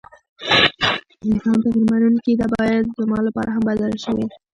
انسان تغير منونکي ده ، بايد زما لپاره هم بدله شوې ،